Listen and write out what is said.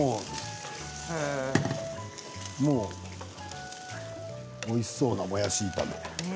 もうおいしそうなもやし炒め。